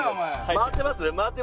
回ってます？